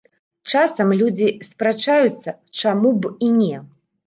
Часам людзі спрачаюцца, чаму б і не.